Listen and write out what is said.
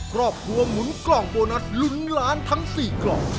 ครอบครัวหมุนกล่องโบนัสลุ้นล้านทั้ง๔กล่อง